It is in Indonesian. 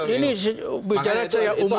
ini bicara secara umum ya